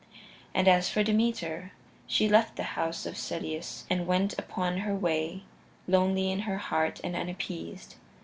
And as for Demeter, she left the house of Celeus and went upon her way, lonely in her heart, and unappeased.